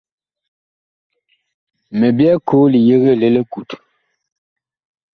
Mi byɛɛ koo li yegee li likut.